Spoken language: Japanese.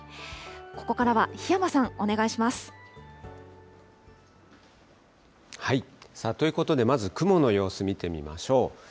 ここからは、檜山さん、お願いしということでまず、雲の様子見てみましょう。